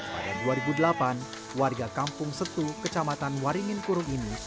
pada dua ribu delapan warga kampung setu kecamatan waringin kurung ini